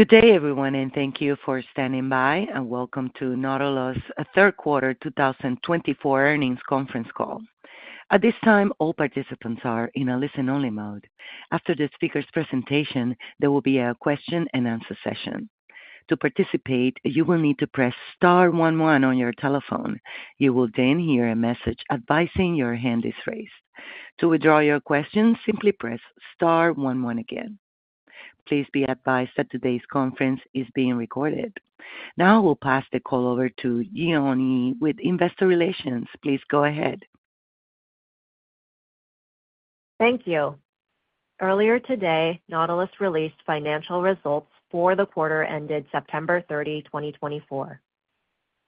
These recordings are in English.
Good day, everyone, and thank you for standing by, and welcome to Nautilus' Third Quarter 2024 Earnings Conference Call. At this time, all participants are in a listen-only mode. After the speaker's presentation, there will be a question-and-answer session. To participate, you will need to press star one one on your telephone. You will then hear a message advising your hand is raised. To withdraw your question, simply press star one again. Please be advised that today's conference is being recorded. Now, we'll pass the call over to Ji-Yon Yi with Investor Relations. Please go ahead. Thank you. Earlier today, Nautilus released financial results for the quarter ended September 30th, 2024.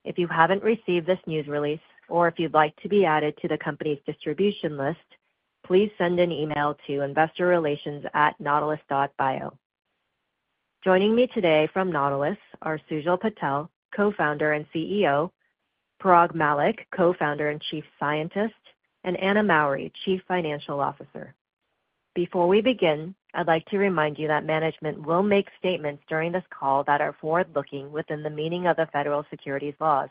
If you haven't received this news release, or if you'd like to be added to the company's distribution list, please send an email to investorrelations@nautilus.bio. Joining me today from Nautilus are Sujal Patel, Co-Founder and CEO, Parag Mallick, Co-Founder and Chief Scientist, and Anna Mowry, Chief Financial Officer. Before we begin, I'd like to remind you that management will make statements during this call that are forward-looking within the meaning of the federal securities laws.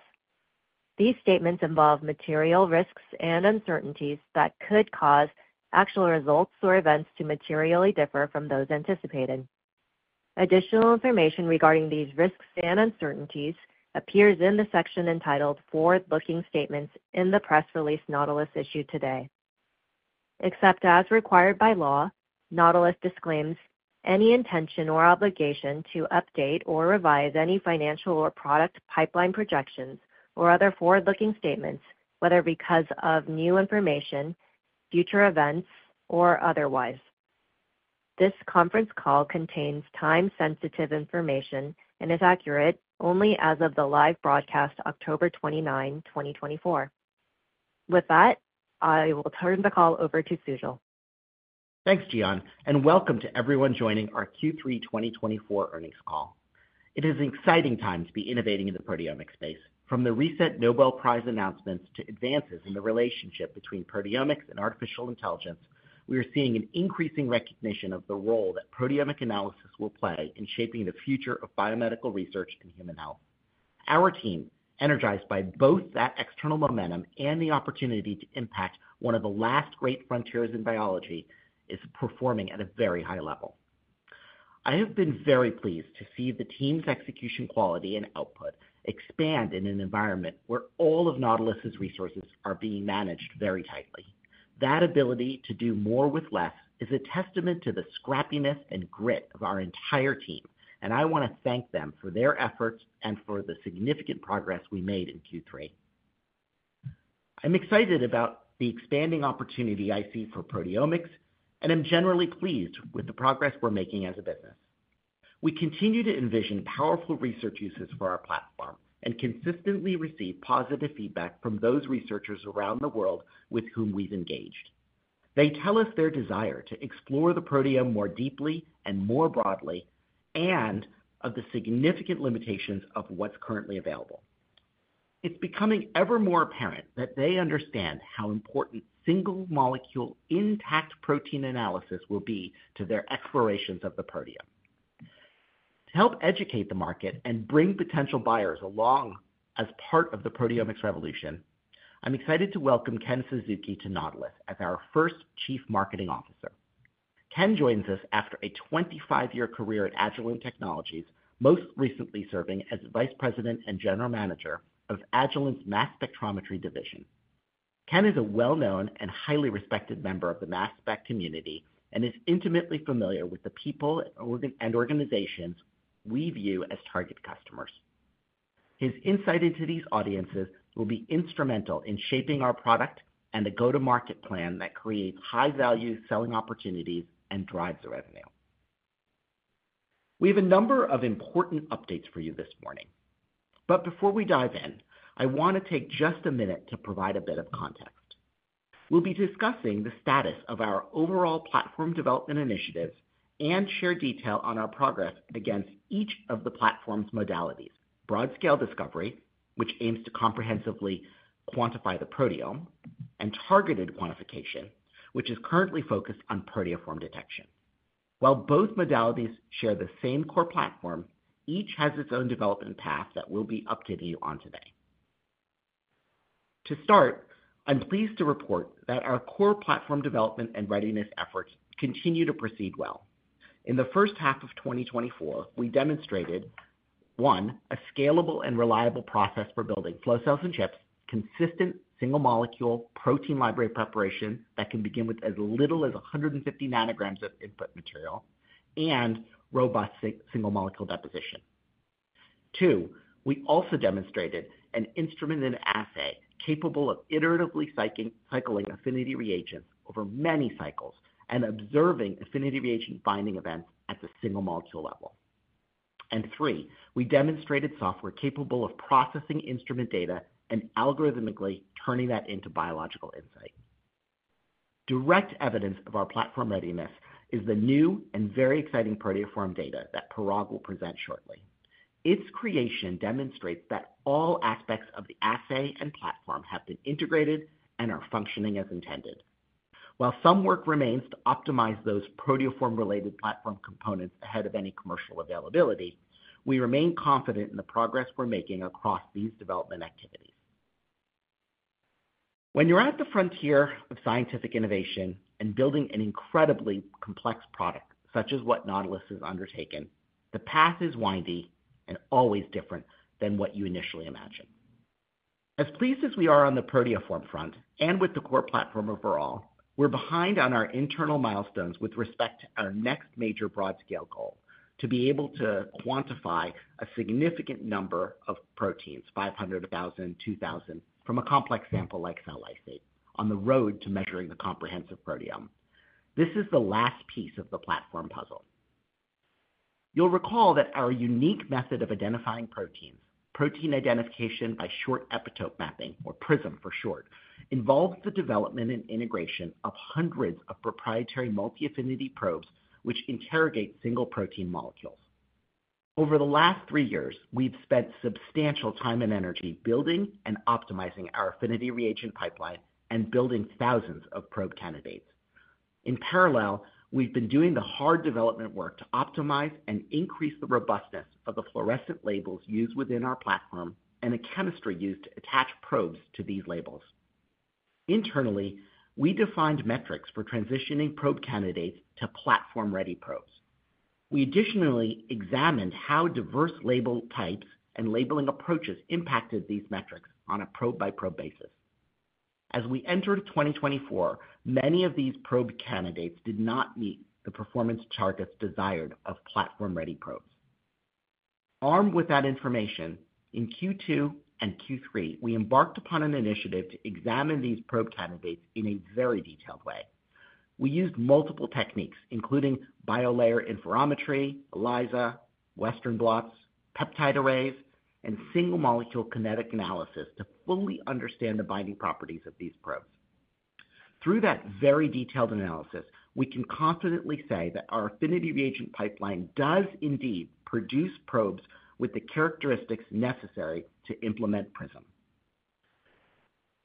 These statements involve material risks and uncertainties that could cause actual results or events to materially differ from those anticipated. Additional information regarding these risks and uncertainties appears in the section entitled Forward-Looking Statements in the press release Nautilus issued today. Except as required by law, Nautilus disclaims any intention or obligation to update or revise any financial or product pipeline projections or other forward-looking statements, whether because of new information, future events, or otherwise. This conference call contains time-sensitive information and is accurate only as of the live broadcast October 29th, 2024. With that, I will turn the call over to Sujal. Thanks, Ji-Yon, and welcome to everyone joining our Q3 2024 earnings call. It is an exciting time to be innovating in the proteomics space. From the recent Nobel Prize announcements to advances in the relationship between proteomics and artificial intelligence, we are seeing an increasing recognition of the role that proteomic analysis will play in shaping the future of biomedical research and human health. Our team, energized by both that external momentum and the opportunity to impact one of the last great frontiers in biology, is performing at a very high level. I have been very pleased to see the team's execution quality and output expand in an environment where all of Nautilus' resources are being managed very tightly. That ability to do more with less is a testament to the scrappiness and grit of our entire team, and I want to thank them for their efforts and for the significant progress we made in Q3. I'm excited about the expanding opportunity I see for proteomics, and I'm generally pleased with the progress we're making as a business. We continue to envision powerful research uses for our platform and consistently receive positive feedback from those researchers around the world with whom we've engaged. They tell us their desire to explore the proteome more deeply and more broadly and of the significant limitations of what's currently available. It's becoming ever more apparent that they understand how important single-molecule intact protein analysis will be to their explorations of the proteome. To help educate the market and bring potential buyers along as part of the proteomics revolution, I'm excited to welcome Ken Suzuki to Nautilus as our first Chief Marketing Officer. Ken joins us after a 25-year career at Agilent Technologies, most recently serving as Vice President and General Manager of Agilent's mass spectrometry division. Ken is a well-known and highly respected member of the mass spec community and is intimately familiar with the people and organizations we view as target customers. His insight into these audiences will be instrumental in shaping our product and the go-to-market plan that creates high-value selling opportunities and drives the revenue. We have a number of important updates for you this morning, but before we dive in, I want to take just a minute to provide a bit of context. We'll be discussing the status of our overall platform development initiatives and share detail on our progress against each of the platform's modalities: broad-scale discovery, which aims to comprehensively quantify the proteome, and targeted quantification, which is currently focused on proteoform detection. While both modalities share the same core platform, each has its own development path that we'll be updating you on today. To start, I'm pleased to report that our core platform development and readiness efforts continue to proceed well. In the first half of 2024, we demonstrated, one, a scalable and reliable process for building flow cells and chips, consistent single-molecule protein library preparation that can begin with as little as 150 nanograms of input material, and robust single-molecule deposition. Two, we also demonstrated an instrumented assay capable of iteratively cycling affinity reagents over many cycles and observing affinity reagent binding events at the single-molecule level. And three, we demonstrated software capable of processing instrument data and algorithmically turning that into biological insight. Direct evidence of our platform readiness is the new and very exciting proteoform data that Parag will present shortly. Its creation demonstrates that all aspects of the assay and platform have been integrated and are functioning as intended. While some work remains to optimize those proteoform-related platform components ahead of any commercial availability, we remain confident in the progress we're making across these development activities. When you're at the frontier of scientific innovation and building an incredibly complex product such as what Nautilus has undertaken, the path is windy and always different than what you initially imagined. As pleased as we are on the proteoform front and with the core platform overall, we're behind on our internal milestones with respect to our next major broad-scale goal: to be able to quantify a significant number of proteins (500, 1,000, 2,000) from a complex sample like cell lysate on the road to measuring the comprehensive proteome. This is the last piece of the platform puzzle. You'll recall that our unique method of identifying proteins, protein identification by short epitope mapping, or PrISM for short, involves the development and integration of hundreds of proprietary multi-affinity probes which interrogate single protein molecules. Over the last three years, we've spent substantial time and energy building and optimizing our affinity reagent pipeline and building thousands of probe candidates. In parallel, we've been doing the hard development work to optimize and increase the robustness of the fluorescent labels used within our platform and the chemistry used to attach probes to these labels. Internally, we defined metrics for transitioning probe candidates to platform-ready probes. We additionally examined how diverse label types and labeling approaches impacted these metrics on a probe-by-probe basis. As we entered 2024, many of these probe candidates did not meet the performance targets desired of platform-ready probes. Armed with that information, in Q2 and Q3, we embarked upon an initiative to examine these probe candidates in a very detailed way. We used multiple techniques, including biolayer interferometry, ELISA, Western blots, peptide arrays, and single-molecule kinetic analysis to fully understand the binding properties of these probes. Through that very detailed analysis, we can confidently say that our affinity reagent pipeline does indeed produce probes with the characteristics necessary to implement PrISM.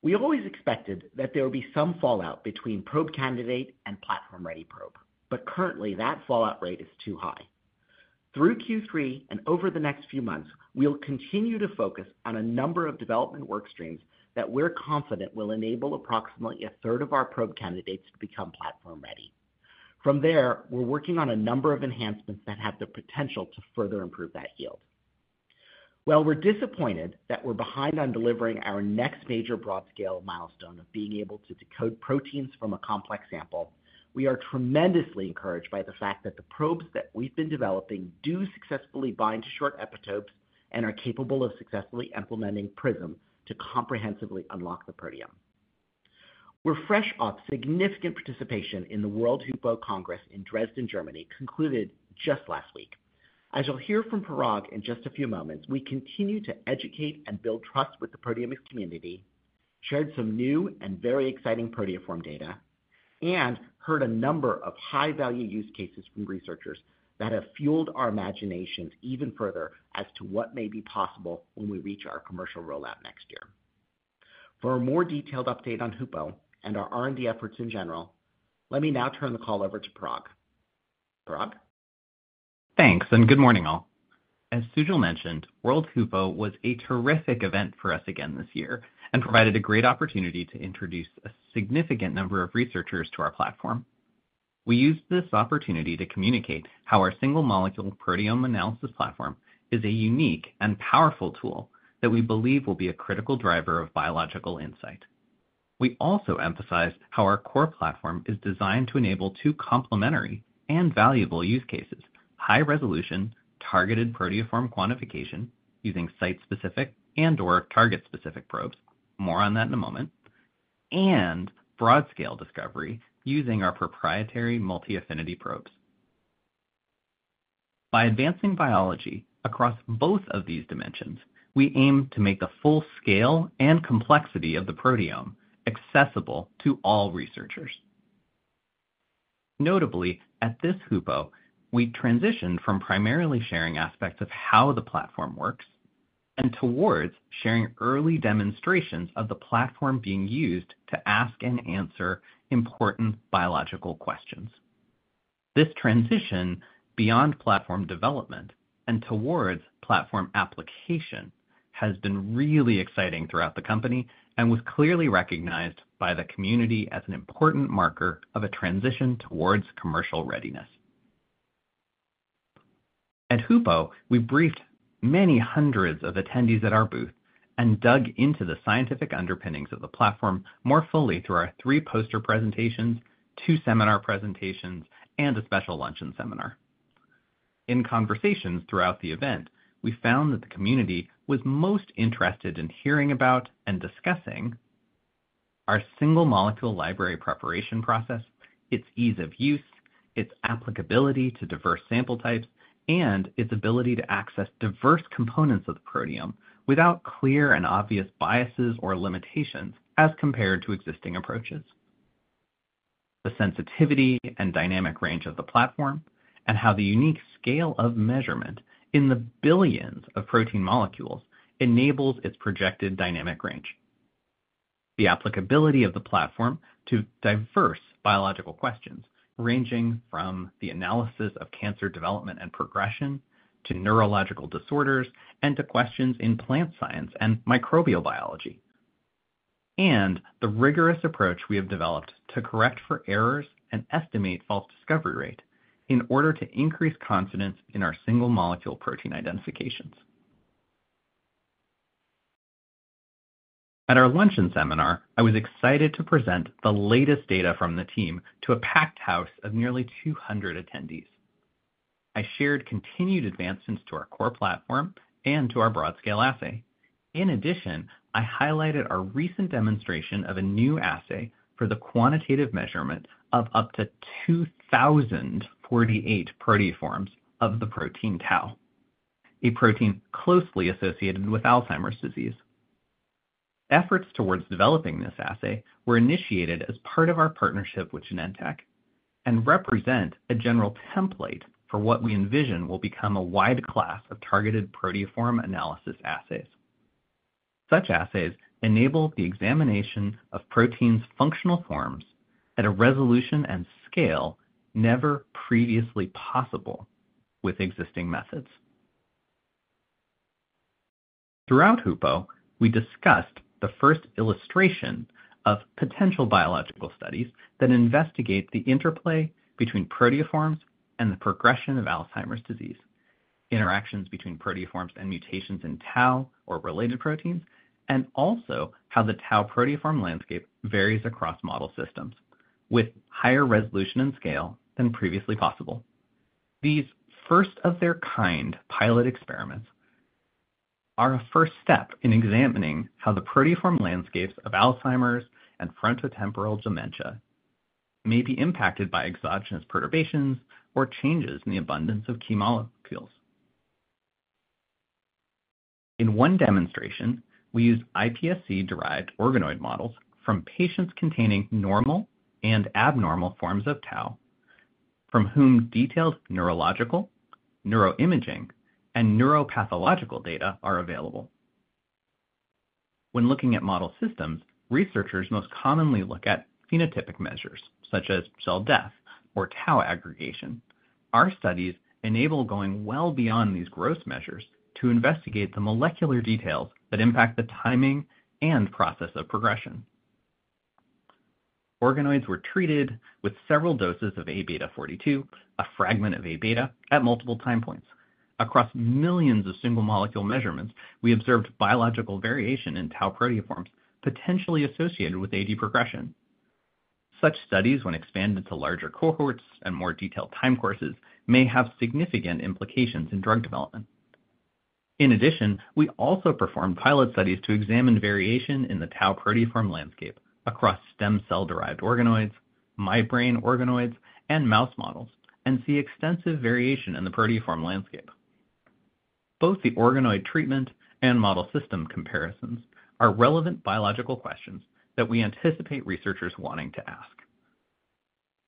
We always expected that there would be some fallout between probe candidate and platform-ready probe, but currently, that fallout rate is too high. Through Q3 and over the next few months, we'll continue to focus on a number of development workstreams that we're confident will enable approximately a third of our probe candidates to become platform-ready. From there, we're working on a number of enhancements that have the potential to further improve that yield. While we're disappointed that we're behind on delivering our next major broad-scale milestone of being able to decode proteins from a complex sample, we are tremendously encouraged by the fact that the probes that we've been developing do successfully bind to short epitopes and are capable of successfully implementing PrISM to comprehensively unlock the proteome. We're fresh off significant participation in the World HUPO Congress in Dresden, Germany, concluded just last week. As you'll hear from Parag in just a few moments, we continue to educate and build trust with the proteomics community, shared some new and very exciting proteoform data, and heard a number of high-value use cases from researchers that have fueled our imaginations even further as to what may be possible when we reach our commercial rollout next year. For a more detailed update on HUPO and our R&D efforts in general, let me now turn the call over to Parag. Parag? Thanks, and good morning, all. As Sujal mentioned, World HUPO was a terrific event for us again this year and provided a great opportunity to introduce a significant number of researchers to our platform. We used this opportunity to communicate how our single-molecule proteome analysis platform is a unique and powerful tool that we believe will be a critical driver of biological insight. We also emphasized how our core platform is designed to enable two complementary and valuable use cases: high-resolution targeted proteoform quantification using site-specific and/or target-specific probes - more on that in a moment - and broad-scale discovery using our proprietary multi-affinity probes. By advancing biology across both of these dimensions, we aim to make the full scale and complexity of the proteome accessible to all researchers. Notably, at this HUPO, we transitioned from primarily sharing aspects of how the platform works and towards sharing early demonstrations of the platform being used to ask and answer important biological questions. This transition beyond platform development and towards platform application has been really exciting throughout the company and was clearly recognized by the community as an important marker of a transition towards commercial readiness. At HUPO, we briefed many hundreds of attendees at our booth and dug into the scientific underpinnings of the platform more fully through our three poster presentations, two seminar presentations, and a special luncheon seminar. In conversations throughout the event, we found that the community was most interested in hearing about and discussing our single-molecule library preparation process, its ease of use, its applicability to diverse sample types, and its ability to access diverse components of the proteome without clear and obvious biases or limitations as compared to existing approaches. The sensitivity and dynamic range of the platform and how the unique scale of measurement in the billions of protein molecules enables its projected dynamic range. The applicability of the platform to diverse biological questions ranging from the analysis of cancer development and progression to neurological disorders and to questions in plant science and microbial biology, and the rigorous approach we have developed to correct for errors and estimate false discovery rate in order to increase confidence in our single-molecule protein identifications. At our luncheon seminar, I was excited to present the latest data from the team to a packed house of nearly 200 attendees. I shared continued advancements to our core platform and to our broad-scale assay. In addition, I highlighted our recent demonstration of a new assay for the quantitative measurement of up to 2,048 proteoforms of the protein tau, a protein closely associated with Alzheimer's disease. Efforts towards developing this assay were initiated as part of our partnership with Genentech and represent a general template for what we envision will become a wide class of targeted proteoform analysis assays. Such assays enable the examination of proteins' functional forms at a resolution and scale never previously possible with existing methods. Throughout HUPO, we discussed the first illustration of potential biological studies that investigate the interplay between proteoforms and the progression of Alzheimer's disease, interactions between proteoforms and mutations in tau or related proteins, and also how the tau proteoform landscape varies across model systems with higher resolution and scale than previously possible. These first-of-their-kind pilot experiments are a first step in examining how the proteoform landscapes of Alzheimer's and frontotemporal dementia may be impacted by exogenous perturbations or changes in the abundance of key molecules. In one demonstration, we used iPSC-derived organoid models from patients containing normal and abnormal forms of tau, from whom detailed neurological, neuroimaging, and neuropathological data are available. When looking at model systems, researchers most commonly look at phenotypic measures such as cell death or tau aggregation. Our studies enable going well beyond these gross measures to investigate the molecular details that impact the timing and process of progression. Organoids were treated with several doses of Aβ-42, a fragment of Aβ, at multiple time points. Across millions of single-molecule measurements, we observed biological variation in tau proteoforms potentially associated with AD progression. Such studies, when expanded to larger cohorts and more detailed time courses, may have significant implications in drug development. In addition, we also performed pilot studies to examine variation in the tau proteoform landscape across stem cell-derived organoids, midbrain organoids, and mouse models, and see extensive variation in the proteoform landscape. Both the organoid treatment and model system comparisons are relevant biological questions that we anticipate researchers wanting to ask.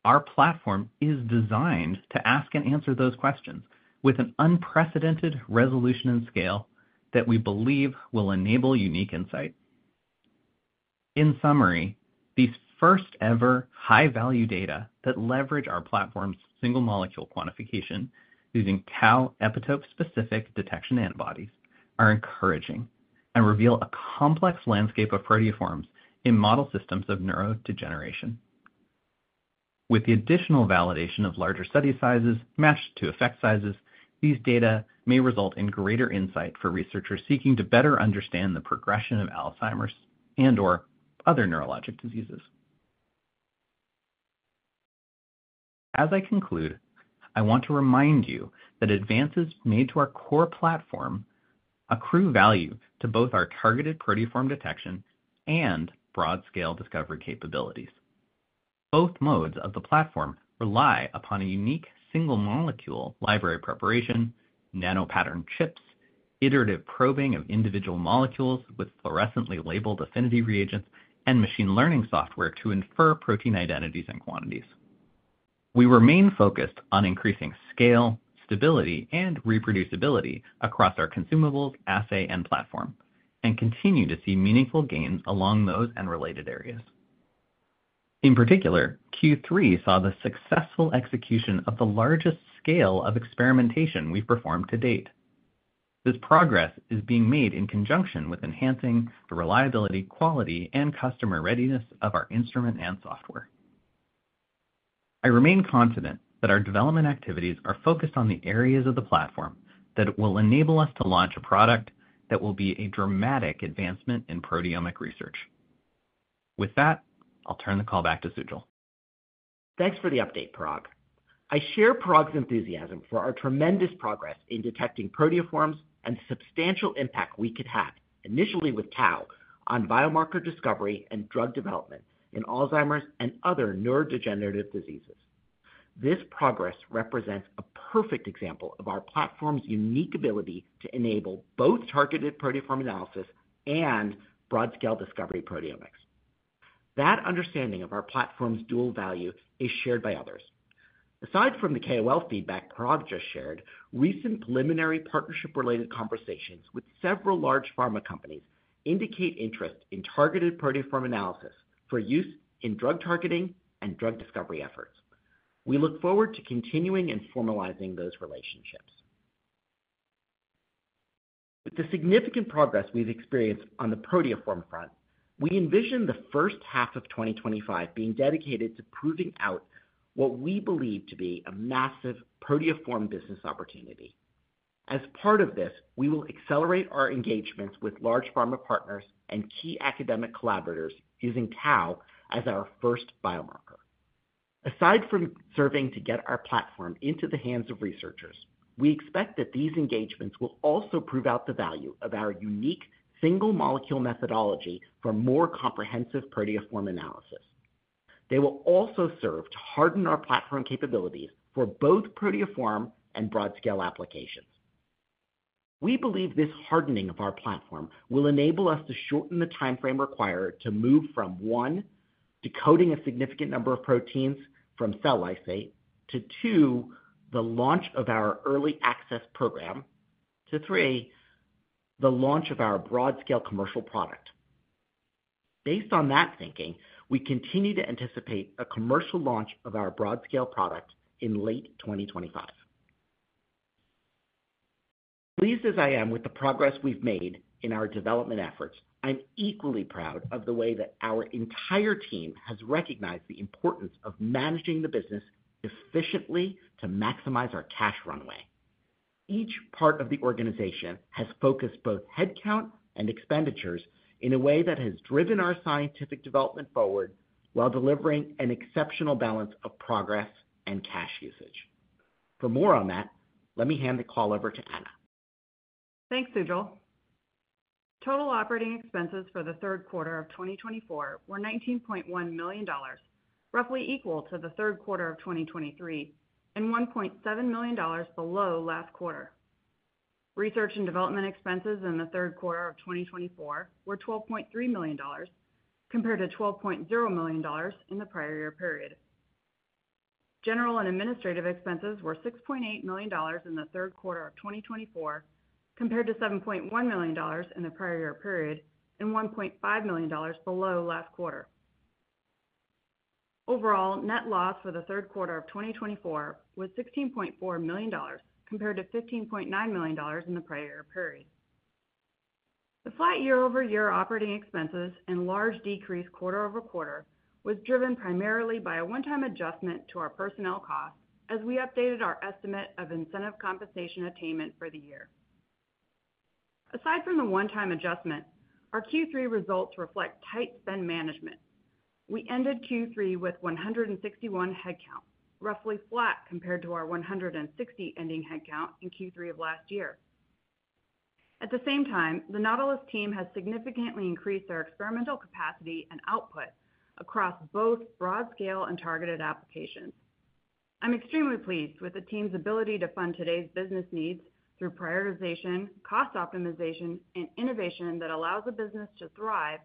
Our platform is designed to ask and answer those questions with an unprecedented resolution and scale that we believe will enable unique insight. In summary, these first-ever high-value data that leverage our platform's single-molecule quantification using tau epitope-specific detection antibodies are encouraging and reveal a complex landscape of proteoforms in model systems of neurodegeneration. With the additional validation of larger study sizes matched to effect sizes, these data may result in greater insight for researchers seeking to better understand the progression of Alzheimer's and/or other neurologic diseases. As I conclude, I want to remind you that advances made to our core platform accrue value to both our targeted proteoform detection and broad-scale discovery capabilities. Both modes of the platform rely upon a unique single-molecule library preparation, nanopattern chips, iterative probing of individual molecules with fluorescently labeled affinity reagents, and machine learning software to infer protein identities and quantities. We remain focused on increasing scale, stability, and reproducibility across our consumables, assay, and platform, and continue to see meaningful gains along those and related areas. In particular, Q3 saw the successful execution of the largest scale of experimentation we've performed to date. This progress is being made in conjunction with enhancing the reliability, quality, and customer readiness of our instrument and software. I remain confident that our development activities are focused on the areas of the platform that will enable us to launch a product that will be a dramatic advancement in proteomic research. With that, I'll turn the call back to Sujal. Thanks for the update, Parag. I share Parag's enthusiasm for our tremendous progress in detecting proteoforms and the substantial impact we could have, initially with tau, on biomarker discovery and drug development in Alzheimer's and other neurodegenerative diseases. This progress represents a perfect example of our platform's unique ability to enable both targeted proteoform analysis and broad-scale discovery proteomics. That understanding of our platform's dual value is shared by others. Aside from the KOL feedback Parag just shared, recent preliminary partnership-related conversations with several large pharma companies indicate interest in targeted proteoform analysis for use in drug targeting and drug discovery efforts. We look forward to continuing and formalizing those relationships. With the significant progress we've experienced on the proteoform front, we envision the first half of 2025 being dedicated to proving out what we believe to be a massive proteoform business opportunity. As part of this, we will accelerate our engagements with large pharma partners and key academic collaborators using tau as our first biomarker. Aside from serving to get our platform into the hands of researchers, we expect that these engagements will also prove out the value of our unique single-molecule methodology for more comprehensive proteoform analysis. They will also serve to harden our platform capabilities for both proteoform and broad-scale applications. We believe this hardening of our platform will enable us to shorten the timeframe required to move from, one, decoding a significant number of proteins from cell lysate, to, two, the launch of our early access program, to, three, the launch of our broad-scale commercial product. Based on that thinking, we continue to anticipate a commercial launch of our broad-scale product in late 2025. Pleased as I am with the progress we've made in our development efforts, I'm equally proud of the way that our entire team has recognized the importance of managing the business efficiently to maximize our cash runway. Each part of the organization has focused both headcount and expenditures in a way that has driven our scientific development forward while delivering an exceptional balance of progress and cash usage. For more on that, let me hand the call over to Anna. Thanks, Sujal. Total operating expenses for the third quarter of 2024 were $19.1 million, roughly equal to the third quarter of 2023, and $1.7 million below last quarter. Research and development expenses in the third quarter of 2024 were $12.3 million, compared to $12.0 million in the prior year period. General and administrative expenses were $6.8 million in the third quarter of 2024, compared to $7.1 million in the prior year period, and $1.5 million below last quarter. Overall, net loss for the third quarter of 2024 was $16.4 million, compared to $15.9 million in the prior year period. The flat year-over-year operating expenses and large decrease quarter over quarter was driven primarily by a one-time adjustment to our personnel costs as we updated our estimate of incentive compensation attainment for the year. Aside from the one-time adjustment, our Q3 results reflect tight spend management. We ended Q3 with 161 headcount, roughly flat compared to our 160 ending headcount in Q3 of last year. At the same time, the Nautilus team has significantly increased their experimental capacity and output across both broad-scale and targeted applications. I'm extremely pleased with the team's ability to fund today's business needs through prioritization, cost optimization, and innovation that allows a business to thrive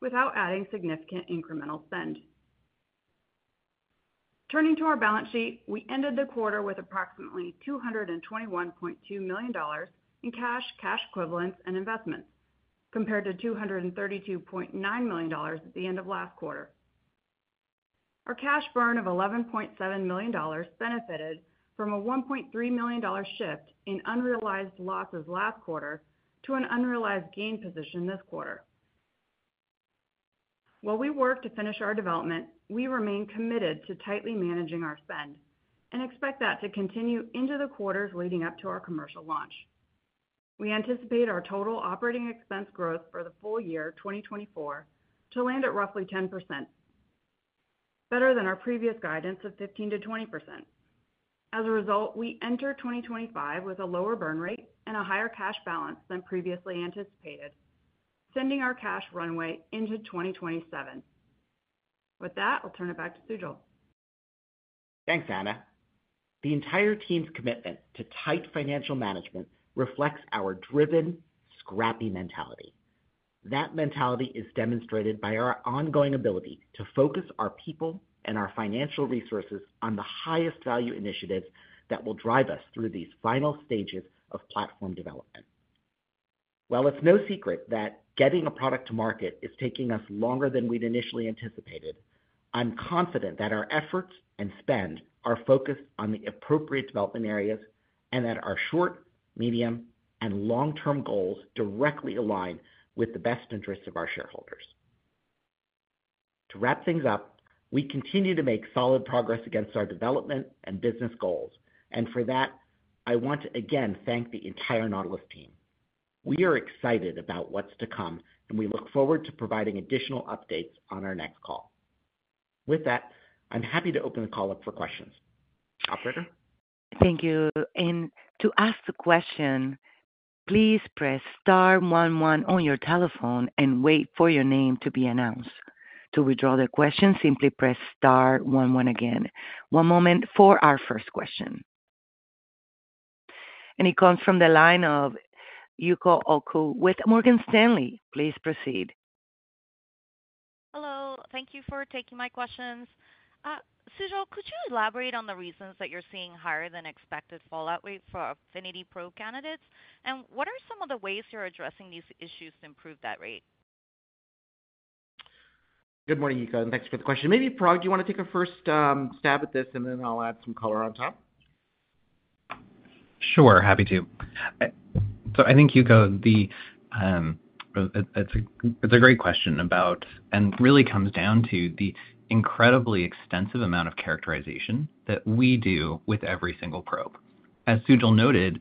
without adding significant incremental spend. Turning to our balance sheet, we ended the quarter with approximately $221.2 million in cash, cash equivalents, and investments, compared to $232.9 million at the end of last quarter. Our cash burn of $11.7 million benefited from a $1.3 million shift in unrealized losses last quarter to an unrealized gain position this quarter. While we work to finish our development, we remain committed to tightly managing our spend and expect that to continue into the quarters leading up to our commercial launch. We anticipate our total operating expense growth for the full year 2024 to land at roughly 10%, better than our previous guidance of 15%-20%. As a result, we enter 2025 with a lower burn rate and a higher cash balance than previously anticipated, sending our cash runway into 2027. With that, I'll turn it back to Sujal. Thanks, Anna. The entire team's commitment to tight financial management reflects our driven, scrappy mentality. That mentality is demonstrated by our ongoing ability to focus our people and our financial resources on the highest-value initiatives that will drive us through these final stages of platform development. While it's no secret that getting a product to market is taking us longer than we'd initially anticipated, I'm confident that our efforts and spend are focused on the appropriate development areas and that our short, medium, and long-term goals directly align with the best interests of our shareholders. To wrap things up, we continue to make solid progress against our development and business goals, and for that, I want to again thank the entire Nautilus team. We are excited about what's to come, and we look forward to providing additional updates on our next call. With that, I'm happy to open the call up for questions. Operator. Thank you. And to ask the question, please press star one one on your telephone and wait for your name to be announced. To withdraw the question, simply press star one one again. One moment for our first question. And it comes from the line of Yuko Oku with Morgan Stanley. Please proceed. Hello. Thank you for taking my questions. Sujal, could you elaborate on the reasons that you're seeing higher-than-expected fallout rate for affinity probe candidates, and what are some of the ways you're addressing these issues to improve that rate? Good morning, Yuko, and thanks for the question. Maybe, Parag, do you want to take a first stab at this, and then I'll add some color on top? Sure. Happy to. So I think, Yuko, it's a great question about and really comes down to the incredibly extensive amount of characterization that we do with every single probe. As Sujal noted,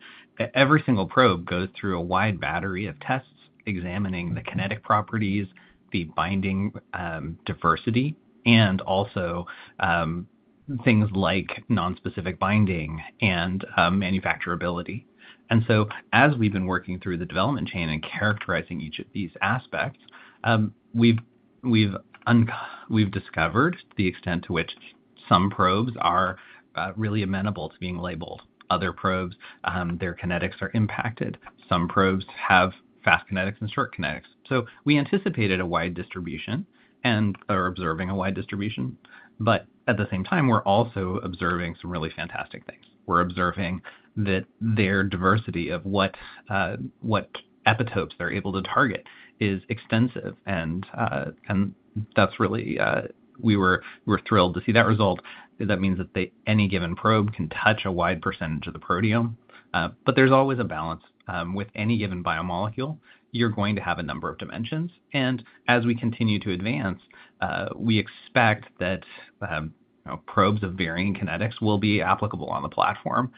every single probe goes through a wide battery of tests examining the kinetic properties, the binding diversity, and also things like nonspecific binding and manufacturability. And so as we've been working through the development chain and characterizing each of these aspects, we've discovered the extent to which some probes are really amenable to being labeled. Other probes, their kinetics are impacted. Some probes have fast kinetics and short kinetics. So we anticipated a wide distribution and are observing a wide distribution. But at the same time, we're also observing some really fantastic things. We're observing that their diversity of what epitopes they're able to target is extensive, and that's really we were thrilled to see that result. That means that any given probe can touch a wide percentage of the proteome. But there's always a balance. With any given biomolecule, you're going to have a number of dimensions. And as we continue to advance, we expect that probes of varying kinetics will be applicable on the platform.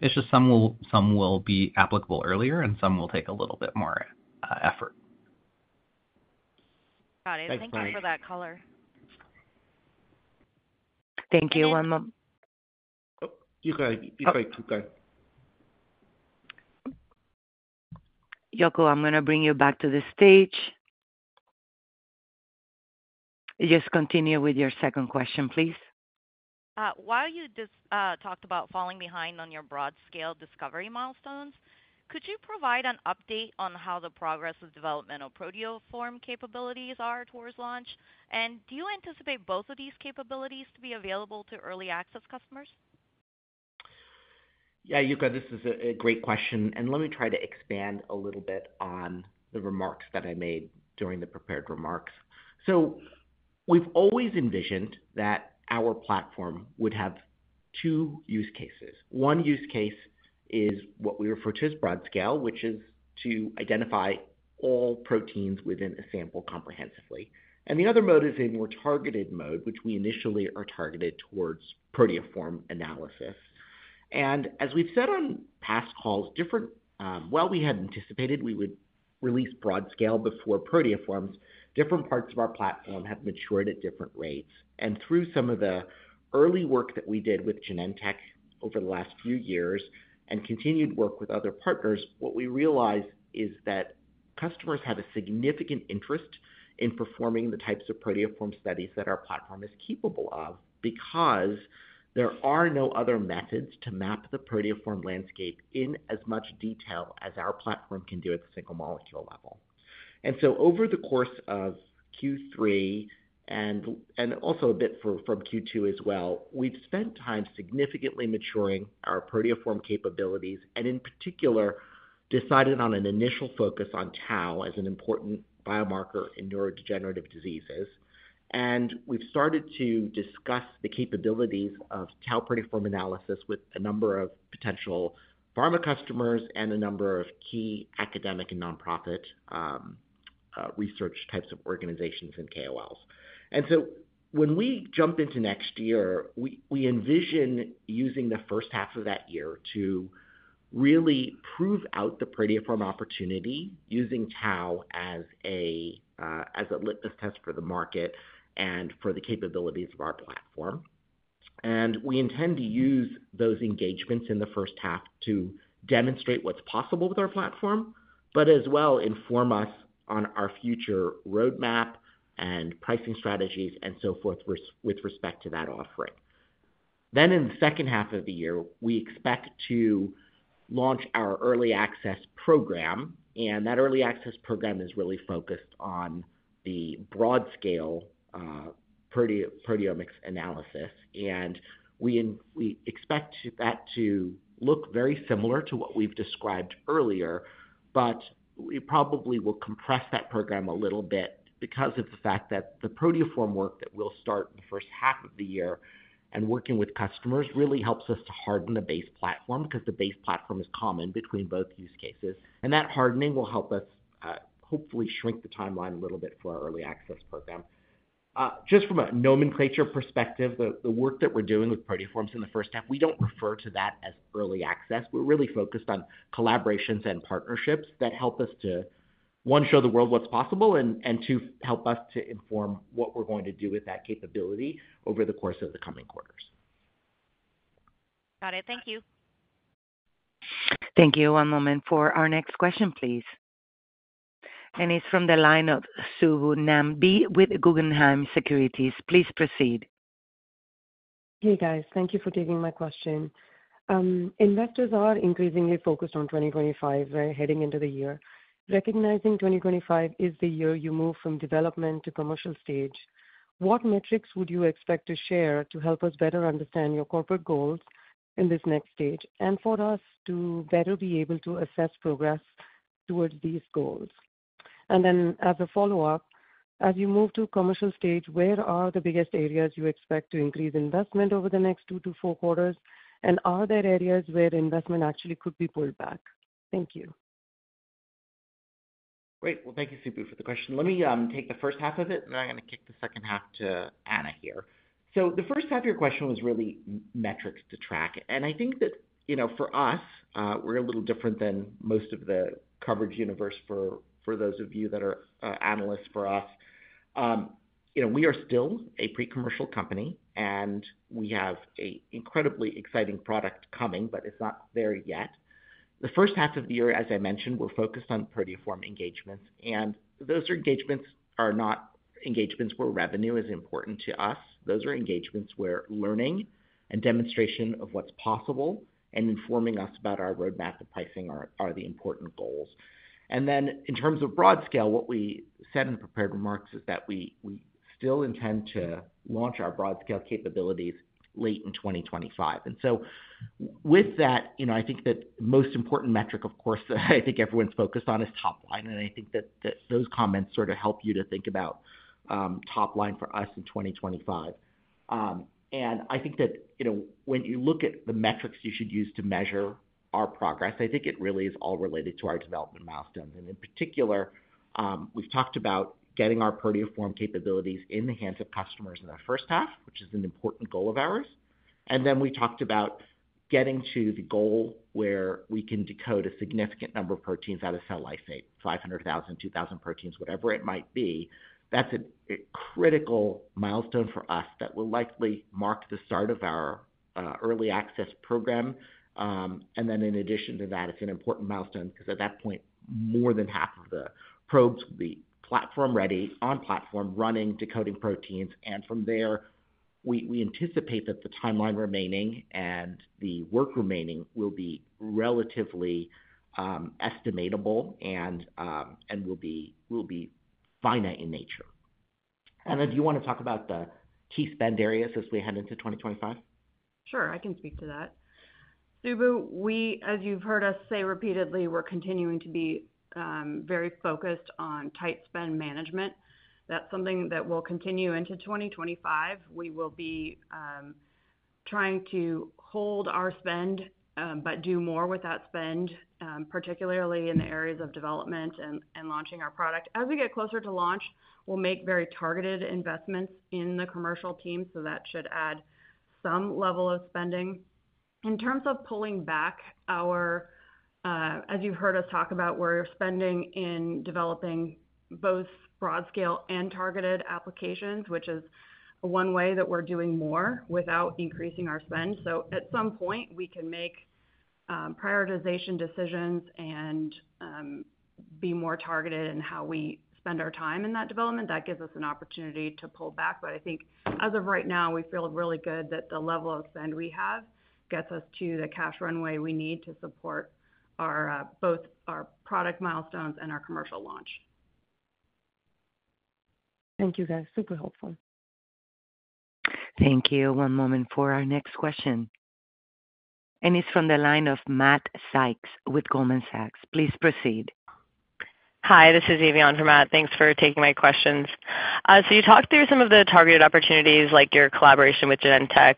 It's just some will be applicable earlier, and some will take a little bit more effort. Got it. Thank you for that color. Thank you. One moment. Yuko, Yuko, Yuko. Yuko, I'm going to bring you back to the stage. Just continue with your second question, please. While you just talked about falling behind on your broad-scale discovery milestones, could you provide an update on how the progress of developmental proteoform capabilities are towards launch? And do you anticipate both of these capabilities to be available to early access customers? Yeah, Yuko, this is a great question, and let me try to expand a little bit on the remarks that I made during the prepared remarks, so we've always envisioned that our platform would have two use cases. One use case is what we refer to as broad-scale, which is to identify all proteins within a sample comprehensively, and the other mode is in more targeted mode, which we initially are targeted towards proteoform analysis, and as we've said on past calls, while we had anticipated we would release broad-scale before proteoforms, different parts of our platform have matured at different rates. Through some of the early work that we did with Genentech over the last few years and continued work with other partners, what we realized is that customers have a significant interest in performing the types of proteoform studies that our platform is capable of because there are no other methods to map the proteoform landscape in as much detail as our platform can do at the single-molecule level. So over the course of Q3 and also a bit from Q2 as well, we've spent time significantly maturing our proteoform capabilities and, in particular, decided on an initial focus on tau as an important biomarker in neurodegenerative diseases. We've started to discuss the capabilities of tau proteoform analysis with a number of potential pharma customers and a number of key academic and nonprofit research types of organizations and KOLs. So when we jump into next year, we envision using the first half of that year to really prove out the proteoform opportunity using tau as a litmus test for the market and for the capabilities of our platform. We intend to use those engagements in the first half to demonstrate what's possible with our platform, but as well inform us on our future roadmap and pricing strategies and so forth with respect to that offering. In the second half of the year, we expect to launch our early access program. That early access program is really focused on the broad-scale proteomics analysis. And we expect that to look very similar to what we've described earlier, but we probably will compress that program a little bit because of the fact that the proteoform work that we'll start in the first half of the year and working with customers really helps us to harden the base platform because the base platform is common between both use cases. And that hardening will help us hopefully shrink the timeline a little bit for our early access program. Just from a nomenclature perspective, the work that we're doing with proteoforms in the first half, we don't refer to that as early access. We're really focused on collaborations and partnerships that help us to, one, show the world what's possible, and two, help us to inform what we're going to do with that capability over the course of the coming quarters. Got it. Thank you. Thank you. One moment for our next question, please. And it's from the line of Subbu Nambi with Guggenheim Securities. Please proceed. Hey, guys. Thank you for taking my question. Investors are increasingly focused on 2025, right, heading into the year. Recognizing 2025 is the year you move from development to commercial stage, what metrics would you expect to share to help us better understand your corporate goals in this next stage and for us to better be able to assess progress towards these goals? And then as a follow-up, as you move to commercial stage, where are the biggest areas you expect to increase investment over the next two to four quarters, and are there areas where investment actually could be pulled back? Thank you. Great. Well, thank you, Subbu, for the question. Let me take the first half of it, and then I'm going to kick the second half to Anna here. So the first half of your question was really metrics to track. And I think that for us, we're a little different than most of the coverage universe for those of you that are analysts for us. We are still a pre-commercial company, and we have an incredibly exciting product coming, but it's not there yet. The first half of the year, as I mentioned, we're focused on proteoform engagements. And those engagements are not engagements where revenue is important to us. Those are engagements where learning and demonstration of what's possible and informing us about our roadmap and pricing are the important goals. And then in terms of broad-scale, what we said in prepared remarks is that we still intend to launch our broad-scale capabilities late in 2025. And so with that, I think that the most important metric, of course, that I think everyone's focused on is top line. And I think that those comments sort of help you to think about top line for us in 2025. And I think that when you look at the metrics you should use to measure our progress, I think it really is all related to our development milestones. And in particular, we've talked about getting our proteoform capabilities in the hands of customers in the first half, which is an important goal of ours. And then we talked about getting to the goal where we can decode a significant number of proteins out of cell lysate, 500 proteins-2,000 proteins, whatever it might be. That's a critical milestone for us that will likely mark the start of our early access program. And then in addition to that, it's an important milestone because at that point, more than half of the probes will be platform-ready, on-platform, running, decoding proteins. And from there, we anticipate that the timeline remaining and the work remaining will be relatively estimatable and will be finite in nature. Anna, do you want to talk about the key spend areas as we head into 2025? Sure. I can speak to that. Subbu, as you've heard us say repeatedly, we're continuing to be very focused on tight spend management. That's something that will continue into 2025. We will be trying to hold our spend but do more with that spend, particularly in the areas of development and launching our product. As we get closer to launch, we'll make very targeted investments in the commercial team, so that should add some level of spending. In terms of pulling back, as you've heard us talk about, we're spending in developing both broad-scale and targeted applications, which is one way that we're doing more without increasing our spend. So at some point, we can make prioritization decisions and be more targeted in how we spend our time in that development. That gives us an opportunity to pull back. But I think as of right now, we feel really good that the level of spend we have gets us to the cash runway we need to support both our product milestones and our commercial launch. Thank you, guys. Super helpful. Thank you. One moment for our next question. And it's from the line of Matt Sykes with Goldman Sachs. Please proceed. Hi, this is Evie on for Matt. Thanks for taking my questions. So you talked through some of the targeted opportunities, like your collaboration with Genentech.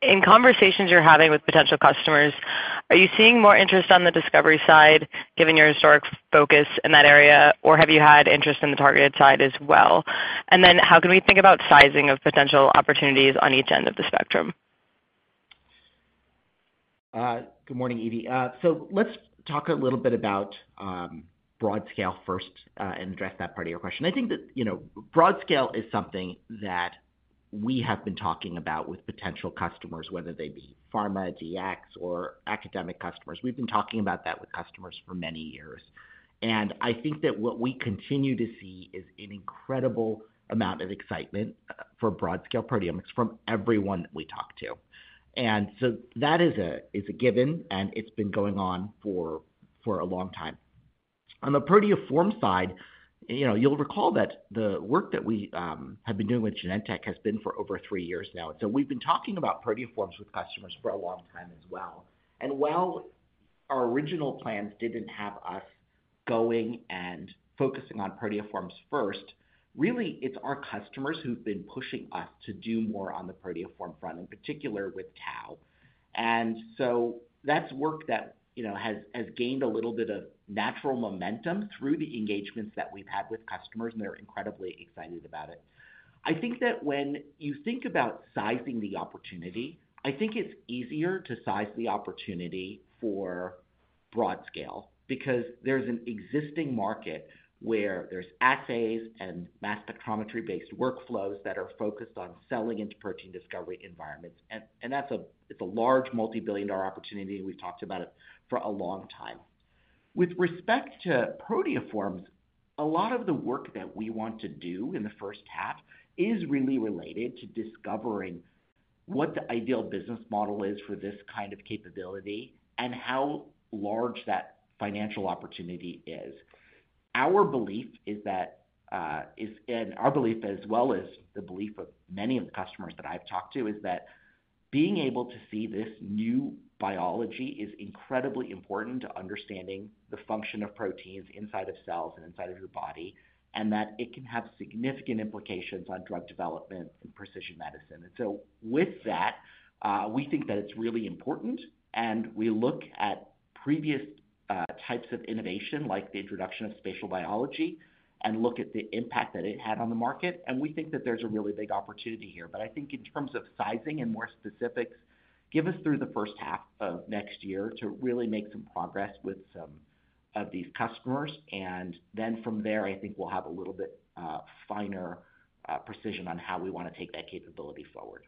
In conversations you're having with potential customers, are you seeing more interest on the discovery side, given your historic focus in that area, or have you had interest in the targeted side as well? And then how can we think about sizing of potential opportunities on each end of the spectrum? Good morning, Evie. So let's talk a little bit about broad-scale first and address that part of your question. I think that broad-scale is something that we have been talking about with potential customers, whether they be pharma, DX, or academic customers. We've been talking about that with customers for many years. And I think that what we continue to see is an incredible amount of excitement for broad-scale proteomics from everyone that we talk to. And so that is a given, and it's been going on for a long time. On the proteoform side, you'll recall that the work that we have been doing with Genentech has been for over three years now. And so we've been talking about proteoforms with customers for a long time as well. While our original plans didn't have us going and focusing on proteoforms first, really, it's our customers who've been pushing us to do more on the proteoform front, in particular with tau. So that's work that has gained a little bit of natural momentum through the engagements that we've had with customers, and they're incredibly excited about it. I think that when you think about sizing the opportunity, I think it's easier to size the opportunity for broad-scale because there's an existing market where there's assays and mass spectrometry-based workflows that are focused on selling into protein discovery environments. It's a large multi-billion-dollar opportunity, and we've talked about it for a long time. With respect to proteoforms, a lot of the work that we want to do in the first half is really related to discovering what the ideal business model is for this kind of capability and how large that financial opportunity is. Our belief is that, and our belief as well as the belief of many of the customers that I've talked to, is that being able to see this new biology is incredibly important to understanding the function of proteins inside of cells and inside of your body, and that it can have significant implications on drug development and precision medicine, and so with that, we think that it's really important, and we look at previous types of innovation, like the introduction of spatial biology, and look at the impact that it had on the market, and we think that there's a really big opportunity here. But I think in terms of sizing and more specifics, give us through the first half of next year to really make some progress with some of these customers. And then from there, I think we'll have a little bit finer precision on how we want to take that capability forward.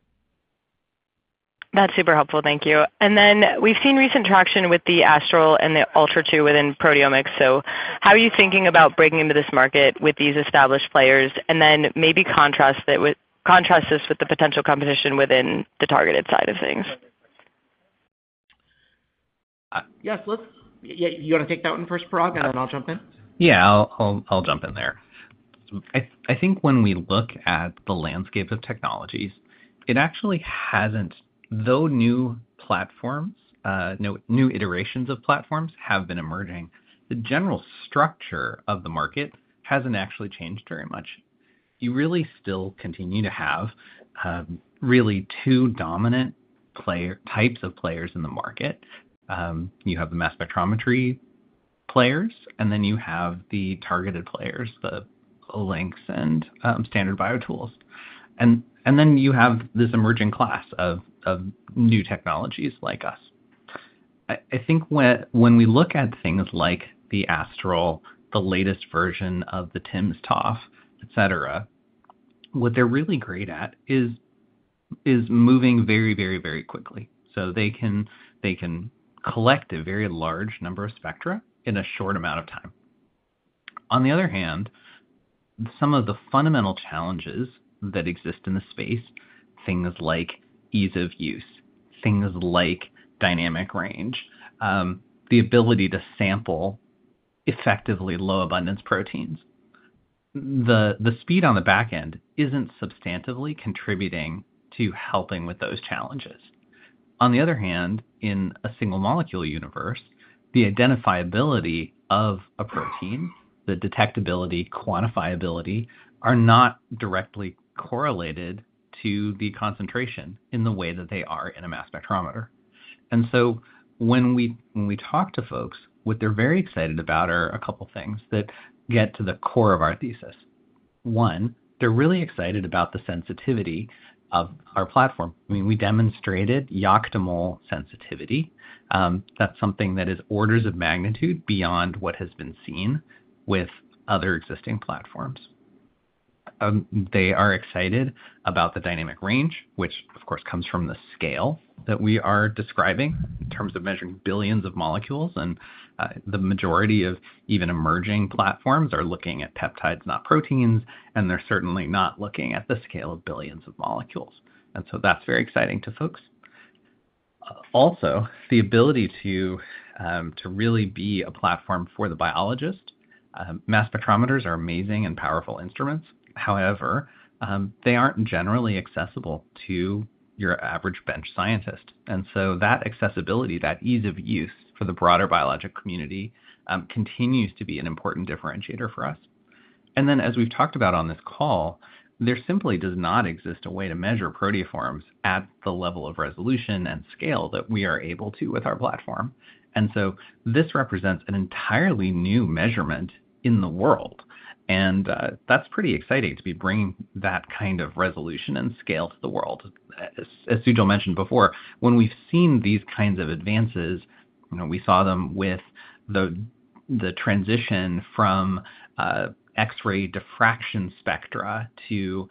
That's super helpful. Thank you. And then we've seen recent traction with the Astral and the Ultra 2 within proteomics. So how are you thinking about breaking into this market with these established players? And then maybe contrast this with the potential competition within the targeted side of things. Yeah. So you want to take that one first, Parag, and then I'll jump in? Yeah. I'll jump in there. I think when we look at the landscape of technologies, it actually hasn't, though new platforms, new iterations of platforms have been emerging, the general structure of the market hasn't actually changed very much. You really still continue to have really two dominant types of players in the market. You have the mass spectrometry players, and then you have the targeted players, the Olink and Standard BioTools. And then you have this emerging class of new technologies like us. I think when we look at things like the Astral, the latest version of the timsTOF, etc., what they're really great at is moving very, very, very quickly. So they can collect a very large number of spectra in a short amount of time. On the other hand, some of the fundamental challenges that exist in the space, things like ease of use, things like dynamic range, the ability to sample effectively low abundance proteins, the speed on the back end isn't substantively contributing to helping with those challenges. On the other hand, in a single molecule universe, the identifiability of a protein, the detectability, quantifiability are not directly correlated to the concentration in the way that they are in a mass spectrometer. And so when we talk to folks, what they're very excited about are a couple of things that get to the core of our thesis. One, they're really excited about the sensitivity of our platform. I mean, we demonstrated yoctomole sensitivity. That's something that is orders of magnitude beyond what has been seen with other existing platforms. They are excited about the dynamic range, which, of course, comes from the scale that we are describing in terms of measuring billions of molecules. And the majority of even emerging platforms are looking at peptides, not proteins, and they're certainly not looking at the scale of billions of molecules. And so that's very exciting to folks. Also, the ability to really be a platform for the biologist. Mass spectrometers are amazing and powerful instruments. However, they aren't generally accessible to your average bench scientist. And so that accessibility, that ease of use for the broader biological community continues to be an important differentiator for us. And then, as we've talked about on this call, there simply does not exist a way to measure proteoforms at the level of resolution and scale that we are able to with our platform. And so this represents an entirely new measurement in the world. And that's pretty exciting to be bringing that kind of resolution and scale to the world. As Subbu mentioned before, when we've seen these kinds of advances, we saw them with the transition from X-ray diffraction spectra to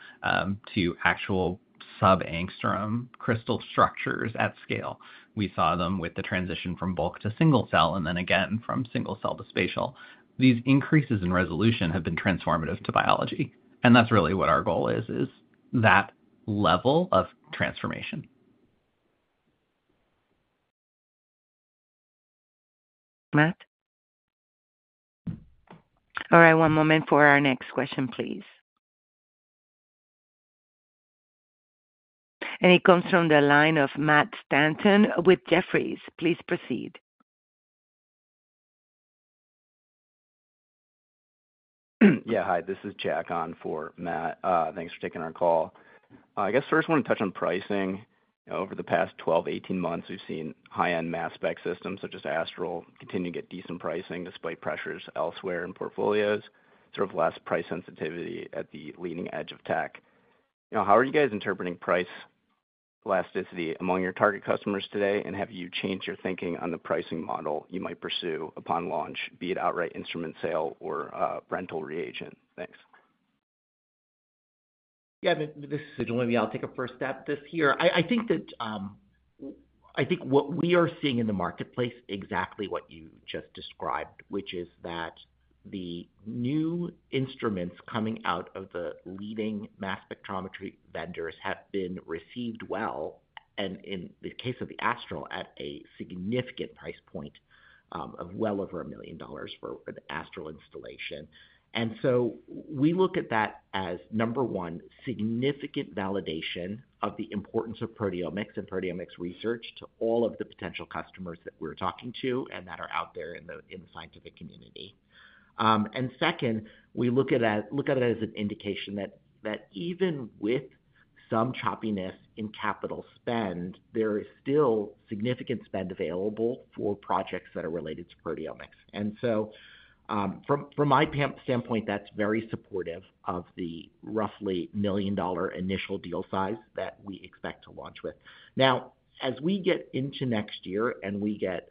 actual sub-angstrom crystal structures at scale. We saw them with the transition from bulk to single-cell and then again from single-cell to spatial. These increases in resolution have been transformative to biology. And that's really what our goal is, is that level of transformation. Matt? All right. One moment for our next question, please, and it comes from the line of Matt Stanton with Jefferies. Please proceed. Yeah. Hi. This is Jack on for Matt. Thanks for taking our call. I guess first, I want to touch on pricing. Over the past 12 months-18 months, we've seen high-end mass spec systems, such as Astral, continue to get decent pricing despite pressures elsewhere in portfolios, sort of less price sensitivity at the leading edge of tech. How are you guys interpreting price elasticity among your target customers today, and have you changed your thinking on the pricing model you might pursue upon launch, be it outright instrument sale or rental reagent? Thanks. Yeah. This is Sujal. I'll take a first stab at this here. I think what we are seeing in the marketplace is exactly what you just described, which is that the new instruments coming out of the leading mass spectrometry vendors have been received well, and in the case of the Astral, at a significant price point of well over $1 million for an Astral installation. And so we look at that as, number one, significant validation of the importance of proteomics and proteomics research to all of the potential customers that we're talking to and that are out there in the scientific community. And second, we look at it as an indication that even with some choppiness in capital spend, there is still significant spend available for projects that are related to proteomics. And so from my standpoint, that's very supportive of the roughly $1 million initial deal size that we expect to launch with. Now, as we get into next year and we get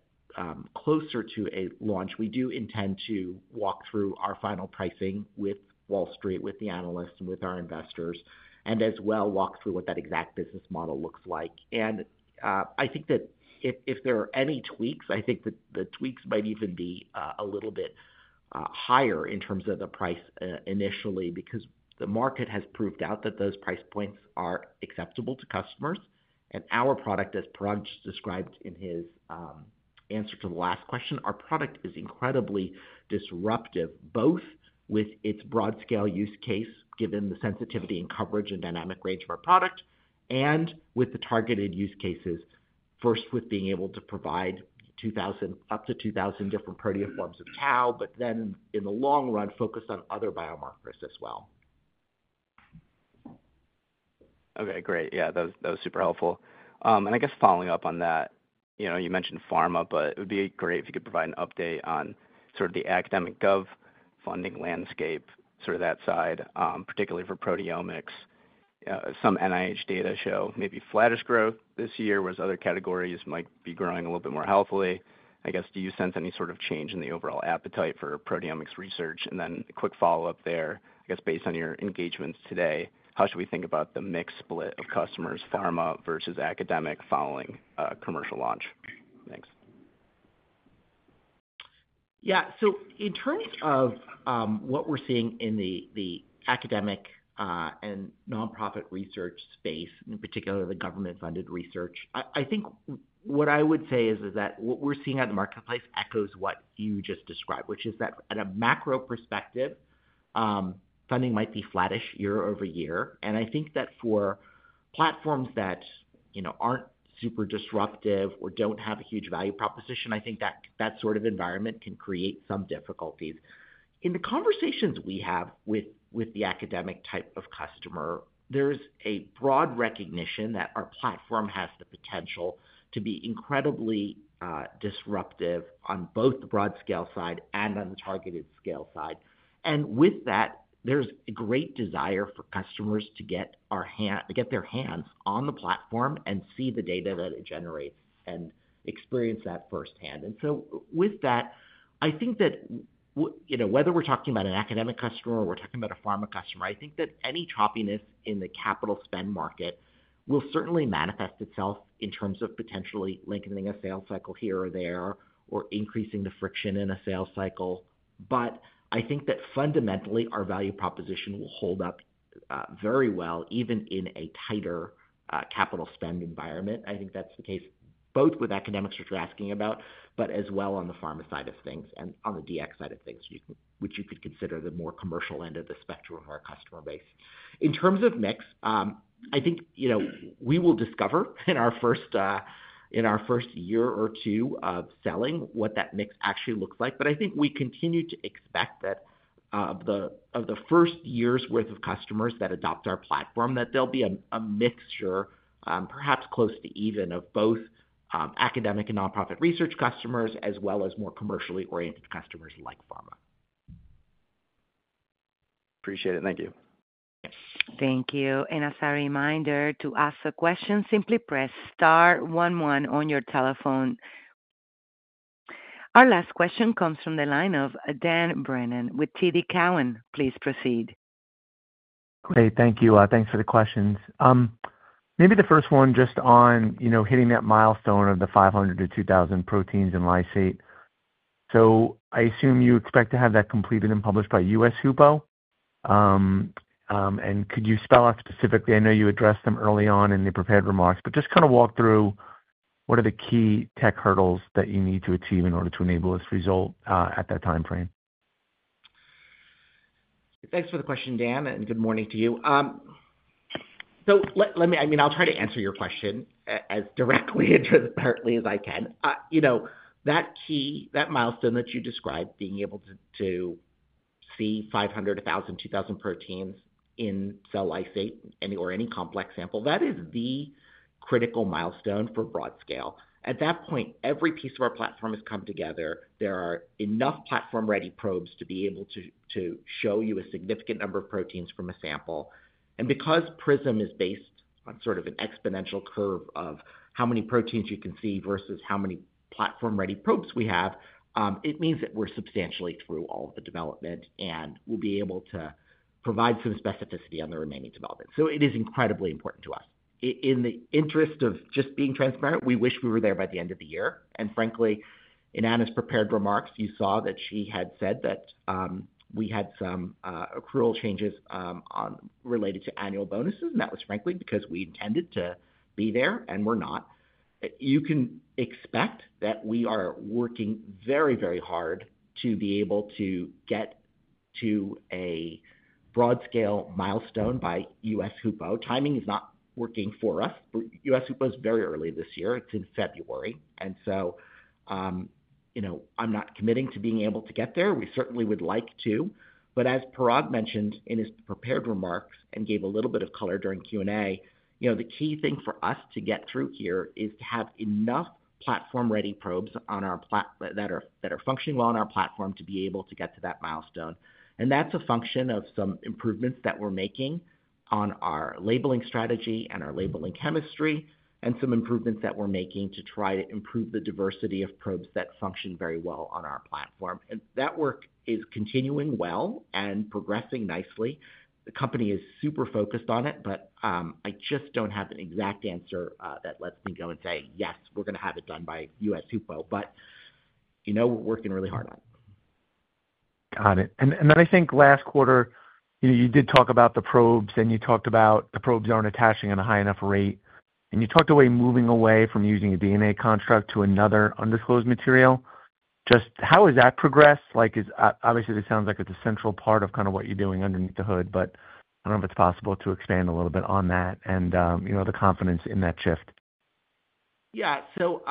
closer to a launch, we do intend to walk through our final pricing with Wall Street, with the analysts, and with our investors, and as well walk through what that exact business model looks like. And I think that if there are any tweaks, I think that the tweaks might even be a little bit higher in terms of the price initially because the market has proved out that those price points are acceptable to customers. Our product, as Parag just described in his answer to the last question, our product is incredibly disruptive, both with its broad-scale use case, given the sensitivity and coverage and dynamic range of our product, and with the targeted use cases, first with being able to provide up to 2,000 different proteoforms of tau, but then in the long run, focus on other biomarkers as well. Okay. Great. Yeah. That was super helpful. And I guess following up on that, you mentioned pharma, but it would be great if you could provide an update on sort of the academic gov funding landscape, sort of that side, particularly for proteomics. Some NIH data show maybe flattish growth this year whereas other categories might be growing a little bit more healthily. I guess, do you sense any sort of change in the overall appetite for proteomics research? And then a quick follow-up there, I guess based on your engagements today, how should we think about the mixed split of customers, pharma versus academic following commercial launch? Thanks. Yeah. So in terms of what we're seeing in the academic and nonprofit research space, in particular the government-funded research, I think what I would say is that what we're seeing at the marketplace echoes what you just described, which is that at a macro perspective, funding might be flattish year over year. And I think that for platforms that aren't super disruptive or don't have a huge value proposition, I think that sort of environment can create some difficulties. In the conversations we have with the academic type of customer, there's a broad recognition that our platform has the potential to be incredibly disruptive on both the broad-scale side and on the targeted scale side. And with that, there's a great desire for customers to get their hands on the platform and see the data that it generates and experience that firsthand. With that, I think that whether we're talking about an academic customer or we're talking about a pharma customer, I think that any choppiness in the capital spend market will certainly manifest itself in terms of potentially lengthening a sales cycle here or there or increasing the friction in a sales cycle. But I think that fundamentally, our value proposition will hold up very well even in a tighter capital spend environment. I think that's the case both with academics, which you're asking about, but as well on the pharma side of things and on the DX side of things, which you could consider the more commercial end of the spectrum of our customer base. In terms of mix, I think we will discover in our first year or two of selling what that mix actually looks like. But I think we continue to expect that of the first year's worth of customers that adopt our platform, that there'll be a mixture, perhaps close to even, of both academic and nonprofit research customers as well as more commercially oriented customers like pharma. Appreciate it. Thank you. Thank you. And as a reminder to ask a question, simply press star 11 on your telephone. Our last question comes from the line of Dan Brennan with TD Cowen. Please proceed. Great. Thank you. Thanks for the questions. Maybe the first one just on hitting that milestone of the 500-2,000 proteins in lysate. So I assume you expect to have that completed and published by US HUPO. And could you spell out specifically? I know you addressed them early on in the prepared remarks, but just kind of walk through what are the key tech hurdles that you need to achieve in order to enable this result at that time frame? Thanks for the question, Dan, and good morning to you, so I mean, I'll try to answer your question as directly and transparently as I can. That key, that milestone that you described, being able to see 500, 1,000, 2,000 proteins in cell lysate or any complex sample, that is the critical milestone for broad-scale. At that point, every piece of our platform has come together. There are enough platform-ready probes to be able to show you a significant number of proteins from a sample. And because PrISM is based on sort of an exponential curve of how many proteins you can see versus how many platform-ready probes we have, it means that we're substantially through all of the development and will be able to provide some specificity on the remaining development, so it is incredibly important to us. In the interest of just being transparent, we wish we were there by the end of the year. And frankly, in Anna's prepared remarks, you saw that she had said that we had some accrual changes related to annual bonuses, and that was frankly because we intended to be there and we're not. You can expect that we are working very, very hard to be able to get to a broad-scale milestone by US HUPO. Timing is not working for us. US HUPO is very early this year. It's in February. And so I'm not committing to being able to get there. We certainly would like to. But as Parag mentioned in his prepared remarks and gave a little bit of color during Q&A, the key thing for us to get through here is to have enough platform-ready probes that are functioning well on our platform to be able to get to that milestone. And that's a function of some improvements that we're making on our labeling strategy and our labeling chemistry and some improvements that we're making to try to improve the diversity of probes that function very well on our platform. And that work is continuing well and progressing nicely. The company is super focused on it, but I just don't have an exact answer that lets me go and say, "Yes, we're going to have it done by US HUPO." But we're working really hard on it. Got it. And then I think last quarter, you did talk about the probes, and you talked about the probes aren't attaching at a high enough rate. And you talked about moving away from using a DNA construct to another undisclosed material. Just how has that progressed? Obviously, it sounds like it's a central part of kind of what you're doing underneath the hood, but I don't know if it's possible to expand a little bit on that and the confidence in that shift. Yeah. So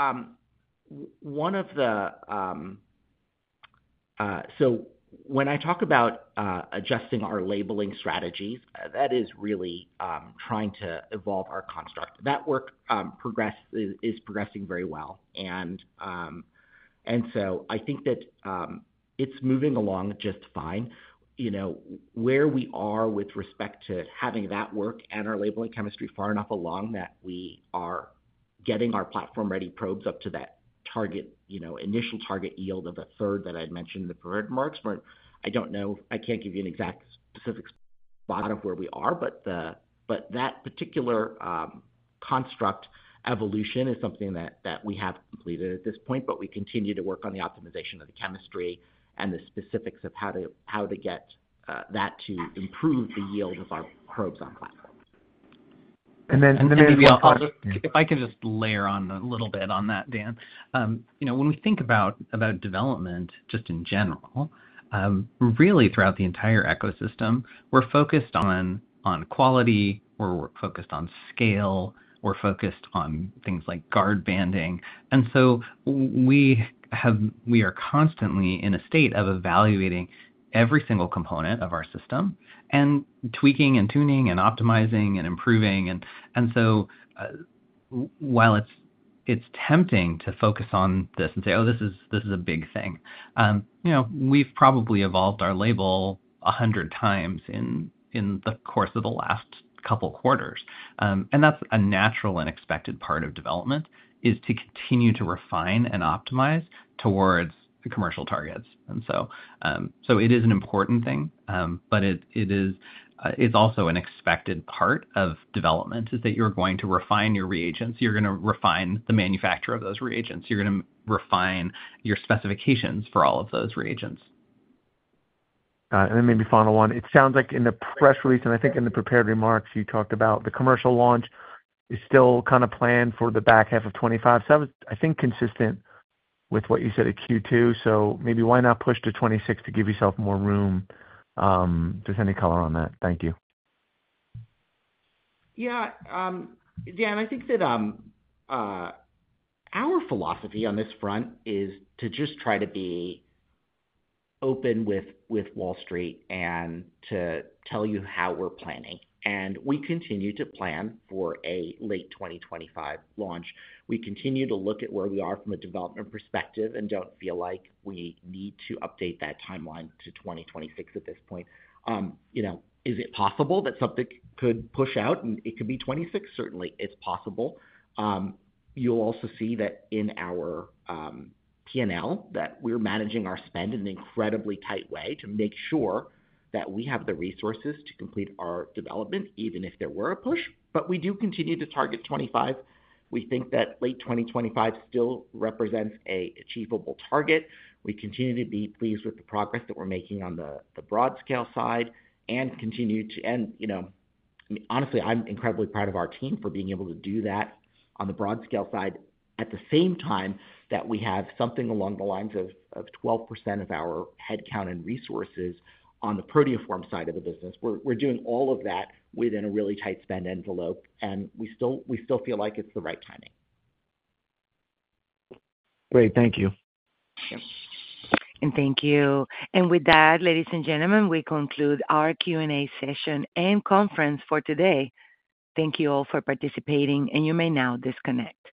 when I talk about adjusting our labeling strategies, that is really trying to evolve our construct. That work is progressing very well. And so I think that it's moving along just fine. Where we are with respect to having that work and our labeling chemistry far enough along that we are getting our platform-ready probes up to that initial target yield of a third that I mentioned in the prepared remarks, I don't know. I can't give you an exact specific spot of where we are, but that particular construct evolution is something that we have completed at this point, but we continue to work on the optimization of the chemistry and the specifics of how to get that to improve the yield of our probes on platform. And then maybe I'll just. If I can just layer on a little bit on that, Dan, when we think about development just in general, really throughout the entire ecosystem, we're focused on quality, or we're focused on scale, we're focused on things like guard banding. And so we are constantly in a state of evaluating every single component of our system and tweaking and tuning and optimizing and improving. And so while it's tempting to focus on this and say, "Oh, this is a big thing," we've probably evolved our label 100 times in the course of the last couple of quarters. And that's a natural and expected part of development is to continue to refine and optimize towards the commercial targets. And so it is an important thing, but it is also an expected part of development is that you're going to refine your reagents. You're going to refine the manufacture of those reagents. You're going to refine your specifications for all of those reagents. Got it. And then maybe final one. It sounds like in the press release, and I think in the prepared remarks, you talked about the commercial launch is still kind of planned for the back half of 2025. So I think consistent with what you said at Q2. So maybe why not push to 2026 to give yourself more room? Just any color on that. Thank you. Yeah. Dan, I think that our philosophy on this front is to just try to be open with Wall Street and to tell you how we're planning. And we continue to plan for a late 2025 launch. We continue to look at where we are from a development perspective and don't feel like we need to update that timeline to 2026 at this point. Is it possible that something could push out and it could be 2026? Certainly, it's possible. You'll also see that in our P&L that we're managing our spend in an incredibly tight way to make sure that we have the resources to complete our development even if there were a push. But we do continue to target 2025. We think that late 2025 still represents an achievable target. We continue to be pleased with the progress that we're making on the broad-scale side, and honestly, I'm incredibly proud of our team for being able to do that on the broad-scale side at the same time that we have something along the lines of 12% of our headcount and resources on the proteoform side of the business. We're doing all of that within a really tight spend envelope, and we still feel like it's the right timing. Great. Thank you. Thank you. And with that, ladies and gentlemen, we conclude our Q&A session and conference for today. Thank you all for participating, and you may now disconnect.